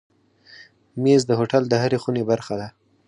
مېز د هوټل د هرې خونې برخه ده.